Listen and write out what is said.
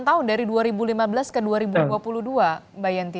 dua puluh tahun dari dua ribu lima belas ke dua ribu dua puluh dua mbak yanti